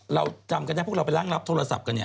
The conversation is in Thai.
เราจำกันได้พวกเราไปร่างรับโทรศัพท์กันเนี่ย